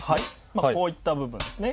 まあこういった部分ですね。